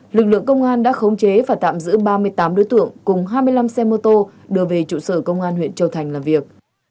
lực lượng công an đã khống chế và tạm giữ ba mươi tám đối tượng cùng hai mươi năm xe mô tô đưa về trụ sở công an huyện châu thành làm việc